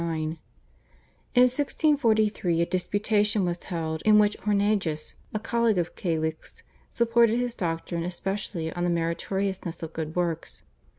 In 1643 a disputation was held, in which Hornejus, a colleague of Calixt, supported his doctrine especially on the meritoriousness of good works.